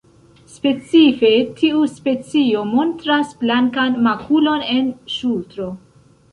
Specife tiu specio montras blankan makulon en ŝultro.